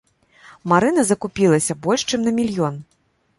Марына закупілася больш чым на мільён.